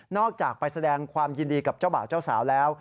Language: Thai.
จากไปแสดงความยินดีกับเจ้าบ่าวเจ้าสาวแล้ว